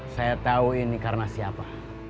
saya tahu ini karena siapa